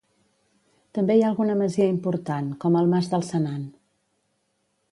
També hi ha alguna masia important, com el Mas del Senan.